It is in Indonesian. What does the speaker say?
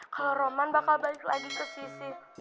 kalau roman bakal balik lagi ke sisi